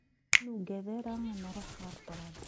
Ur nuggad ara ad nruḥ ɣer ṭṭrad.